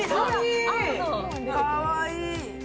かわいい。